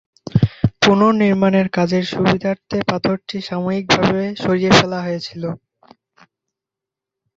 পুনর্নির্মাণের কাজের সুবিধার্থে পাথরটি সাময়িকভাবে সরিয়ে ফেলা হয়েছিল।